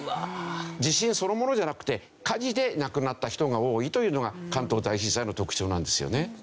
地震そのものじゃなくて火事で亡くなった人が多いというのが関東大震災の特徴なんですよね。